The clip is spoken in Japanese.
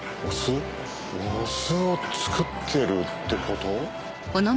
お酢を造ってるってこと？